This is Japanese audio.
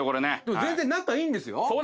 全然仲いいんですよ。